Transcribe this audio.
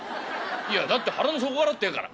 「いやだって腹の底からって言うから」。